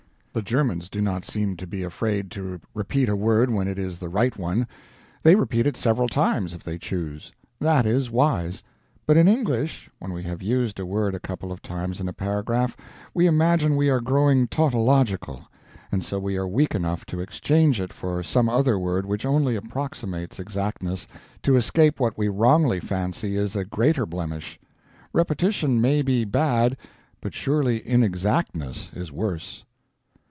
The Germans do not seem to be afraid to repeat a word when it is the right one. They repeat it several times, if they choose. That is wise. But in English, when we have used a word a couple of times in a paragraph, we imagine we are growing tautological, and so we are weak enough to exchange it for some other word which only approximates exactness, to escape what we wrongly fancy is a greater blemish. Repetition may be bad, but surely inexactness is worse.